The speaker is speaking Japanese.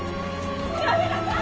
やめなさい！